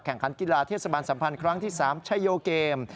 ขันกีฬาเทศบาลสัมพันธ์ครั้งที่๓ชัยโยเกม